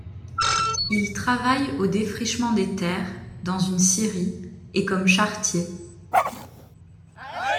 Il travaille au défrichement des terres, dans une scierie, et comme charretier.